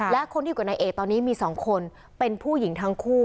และคนที่อยู่กับนายเอกตอนนี้มี๒คนเป็นผู้หญิงทั้งคู่